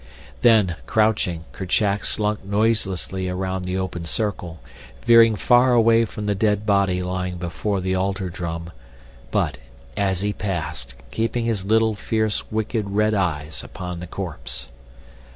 Then, crouching, Kerchak slunk noiselessly around the open circle, veering far away from the dead body lying before the altar drum, but, as he passed, keeping his little, fierce, wicked, red eyes upon the corpse.